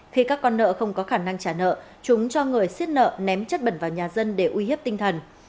khi các con nợ không có khả năng trả nợ chúng cho người xiết nợ ném chất bẩn vào nhà dân để uy hiếp tinh thần